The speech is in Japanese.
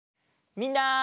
みんな！